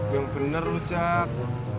yang bener lo cak